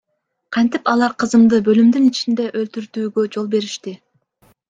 Кантип алар кызымды бөлүмдүн ичинде өлтүртүүгө жол беришти?